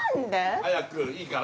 早くいいから。